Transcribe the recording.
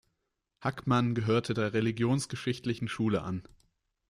Hackmann gehörte der Religionsgeschichtlichen Schule an.